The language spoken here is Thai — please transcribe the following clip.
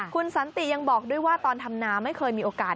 คุณสันติยังบอกด้วยว่าตอนทำนาไม่เคยมีโอกาส